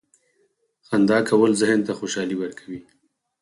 • خندا کول ذهن ته خوشحالي ورکوي.